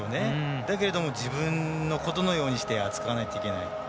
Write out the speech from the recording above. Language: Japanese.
だけれども自分のことのようにして扱わないといけない。